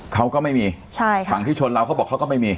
เขาก็ไม่มีใช่ค่ะฝั่งที่ชนเราเขาบอกเขาก็ไม่มี